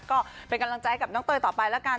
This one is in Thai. ก็เป็นกำลังใจกับน้องเตยต่อไปแล้วกัน